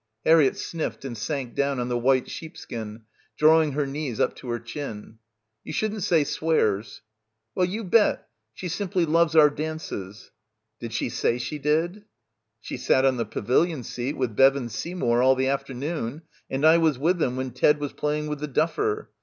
Harriett sniffed and sank down on the white sheepskin, drawing her knees up to her chin. "You shouldn't say 'swears.' " "Well, you bet. She simply loves our dances." — 32 — BACKWATER "Did she say she did?" "She sat on the pavilion seat with Bevan Sey mour all the afternoon and I was with them when Ted was playing with the duffer.